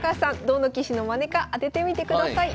どの棋士のマネか当ててみてください。